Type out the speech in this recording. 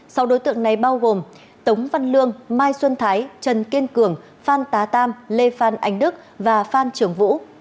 sau đối tượng này bao gồm tống văn lương mai xuân thái trần kiên cường phan tá tam lê phan anh đức và phan trường vũ